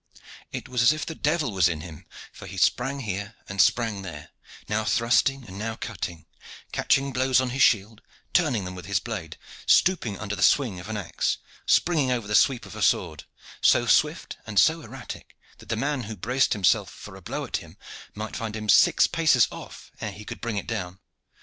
It was as if the devil was in him, for he sprang here and sprang there, now thrusting and now cutting, catching blows on his shield, turning them with his blade, stooping under the swing of an axe, springing over the sweep of a sword, so swift and so erratic that the man who braced himself for a blow at him might find him six paces off ere he could bring it down.